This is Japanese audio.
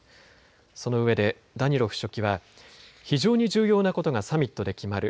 そのうえでダニロフ書記は非常に重要なことがサミットで決まる。